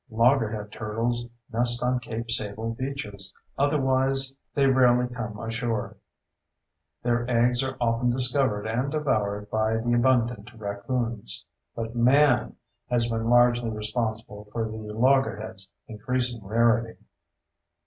Loggerhead turtles nest on Cape Sable beaches, otherwise they rarely come ashore. Their eggs are often discovered and devoured by the abundant raccoons. But man has been largely responsible for the loggerhead's increasing rarity.